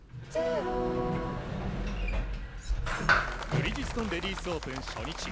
ブリヂストンレディスオープン初日。